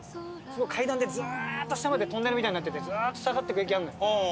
すごい階段でずーっと下までトンネルみたいになっててずーっと下がっていく駅あるのよ。